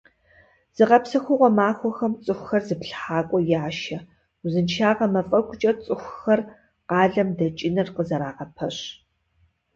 Зыгъэпсэхугъуэ махуэхэм цӀыхухэр зыплъыхьакӀуэ яшэ, узыншагъэ мафӀэгукӀэ цӀыхухэр къалэм дэкӀыныр къызэрагъэпэщ.